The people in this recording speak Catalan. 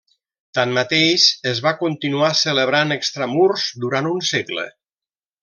Tanmateix, es va continuar celebrant extramurs durant un segle.